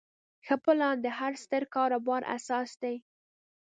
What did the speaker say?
ښه پلان د هر ستر کاروبار اساس دی.